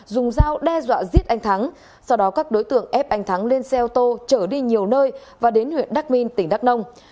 dùng dao đe dọa giết anh thắng sau đó các đối tượng ép anh thắng lên xe ô tô trở đi nhiều nơi và đến huyện đắk minh tỉnh đắk nông